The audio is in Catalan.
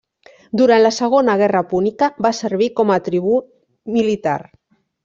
Durant la Segona Guerra Púnica va servir com a tribú militar.